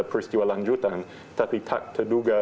peristiwa lanjutan tapi tak terduga